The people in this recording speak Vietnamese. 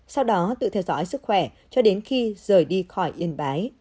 sau đó tự theo dõi sức khỏe cho đến khi rời đi khỏi yên bái